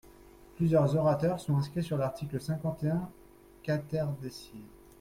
Plusieurs orateurs sont inscrits sur l’article cinquante et un quaterdecies.